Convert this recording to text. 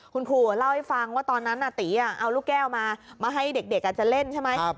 คุณครูเล่าให้ฟังว่าตอนนั้นตีเอาลูกแก้วมามาให้เด็กจะเล่นใช่ไหม